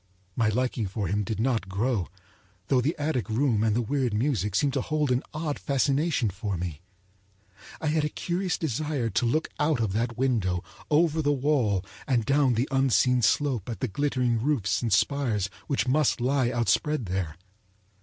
My liking for him did not grow, though the attic room and the weird music seemed to hold an odd fascination for me. I had a curious desire to look out of that window, over the wall and down the unseen slope at the glittering roofs and spires which must lie outspread there.